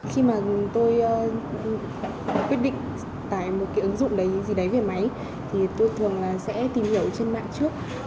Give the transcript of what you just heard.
khi mà tôi quyết định tải một cái ứng dụng đấy gì đấy về máy thì tôi thường là sẽ tìm hiểu trên mạng trước